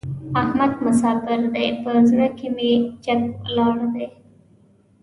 احمد مساپر دی؛ په زړه کې مې جګ ولاړ دی.